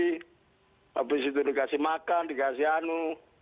habis itu dikasih makan dikasih anu